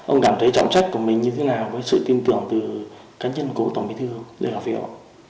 ông cảm thấy trọng sách của mình như thế nào với sự tin tưởng từ cá nhân cụ tổng bình thư lê khả phiêu